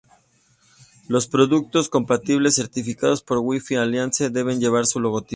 Los productos compatibles, certificados por Wi-Fi Alliance, deben llevar su logotipo.